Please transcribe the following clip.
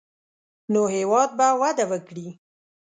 نو هېواد به وده وکړي.